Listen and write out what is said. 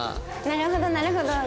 なるほどなるほど。